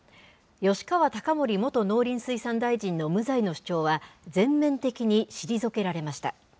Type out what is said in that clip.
吉川貴盛元農林水産大臣の無罪の主張は、全面的に退けられました。